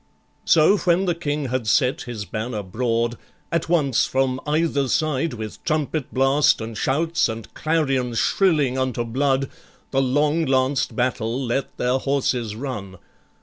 So when the King had set his banner broad, At once from either side, with trumpet blast, And shouts, and clarions shrilling unto blood, The long lanced battle let their horses run.